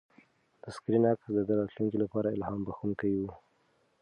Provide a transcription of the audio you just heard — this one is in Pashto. د سکرین عکس د ده د راتلونکي لپاره الهام بښونکی و.